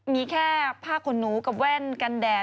มีแค่ผ้าขนหนูกับแว่นกันแดด